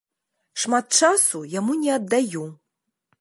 Шмат часу яму не аддаю.